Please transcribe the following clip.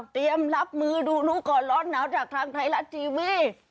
รับมือดูรู้ก่อนร้อนหนาวจากทางไทยรัฐทีวี